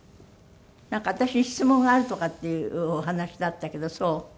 なんか私に質問があるとかっていうお話だったけどそう？